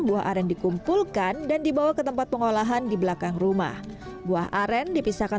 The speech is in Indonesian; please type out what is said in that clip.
buah aren dikumpulkan dan dibawa ke tempat pengolahan di belakang rumah buah aren dipisahkan